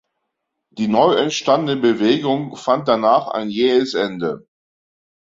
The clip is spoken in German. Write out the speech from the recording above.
Die neu entstandene Bewegung fand danach ein jähes Ende.